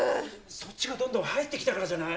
そっちがどんどん入ってきたからじゃない？